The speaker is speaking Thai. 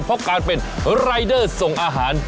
เพราะการเป็นรายเดอร์ส่งอาหาร